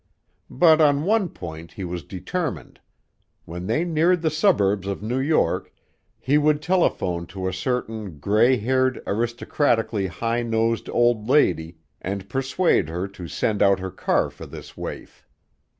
But on one point he was determined: when they neared the suburbs of New York he would telephone to a certain gray haired, aristocratically high nosed old lady and persuade her to send out her car for this waif.